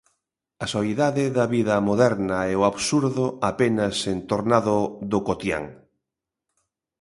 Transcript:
A soidade da vida moderna e o absurdo apenas entornado do cotián.